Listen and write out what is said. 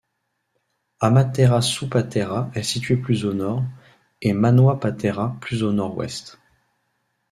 Amaterasu Patera est situé plus au nord, et Manua Patera plus au nord-ouest.